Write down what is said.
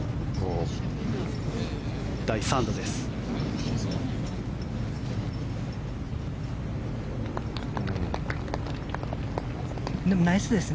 第３打です。